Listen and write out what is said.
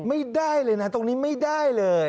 ไม่ได้เลยนะตรงนี้ไม่ได้เลย